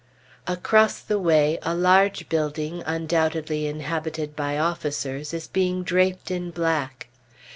Across the way, a large building, undoubtedly inhabited by officers, is being draped in black.